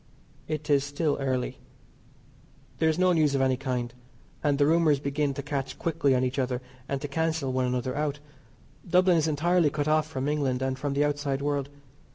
It is still early. There is no news of any kind, and the rumours begin to catch quickly on each other and to cancel one another out. Dublin is entirely cut off from England, and from the outside world.